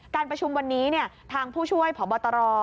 การประชุมวันนี้ทางผู้ช่วยพบตร